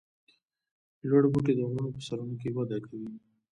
لوړ بوټي د غرونو په سرونو کې وده کوي